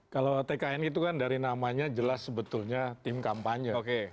kalau tkn itu kan dari namanya jelas sebetulnya tim kampanye